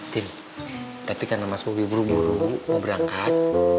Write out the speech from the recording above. tapi karena mas bobi buru buru mau berangkat